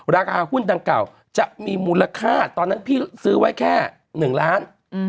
ราคาหุ้นดังเก่าจะมีมูลค่าตอนนั้นพี่ซื้อไว้แค่๑ล้าน